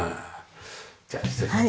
じゃあ失礼します。